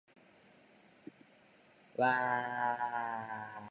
わあーーーーーーーーーー